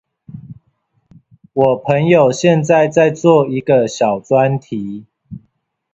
我朋友現在在做一個小專題